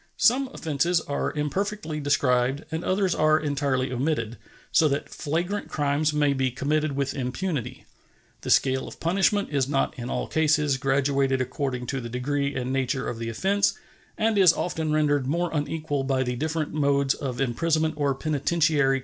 Some offenses are imperfectly described and others are entirely omitted, so that flagrant crimes may be committed with impunity. The scale of punishment is not in all cases graduated according to the degree and nature of the offense, and is often rendered more unequal by the different modes of imprisonment or penitentiary confinement in the different States.